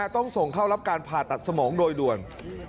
ต้องส่งเข้ารับการผ่าตัดสมองโดยด่วน